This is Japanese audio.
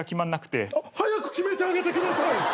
早く決めてあげてください。